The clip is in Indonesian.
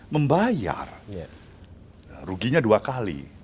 membayar ruginya dua kali